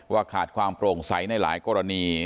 ขาดความโปร่งใสในหลายกรณี